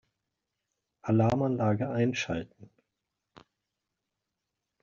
Alarmanlage einschalten.